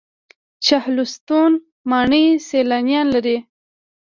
چهلستون ماڼۍ سیلانیان لري